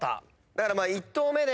だから１投目で。